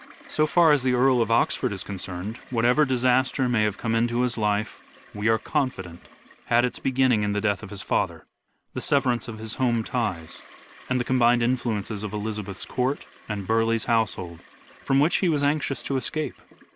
So far as the Earl of Oxford is concerned, whatever disaster may have come into his life, we are confident, had its beginning in the death of his father, the severance of his home ties, and the combined influences of Elizabeth's court and Burleigh's household, from which he was anxious to escape.